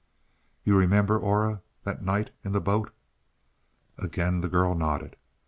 "You remember, Aura, that night in the boat?" Again the girl nodded.